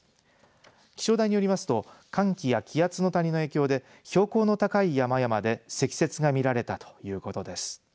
気象台によりますと寒気や気圧の谷の影響で標高の高い山々で積雪が見られたということです。